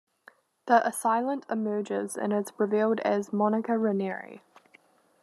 The assailant emerges and is revealed as Monica Ranieri.